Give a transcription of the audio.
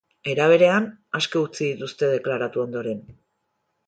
Era berean, aske utzi dituzte deklaratu ondoren.